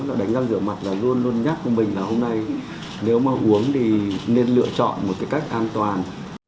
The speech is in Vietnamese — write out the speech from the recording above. là đánh ra rửa mặt là luôn luôn nhắc với mình là hôm nay nếu mà uống thì nên lựa chọn một cái cách an toàn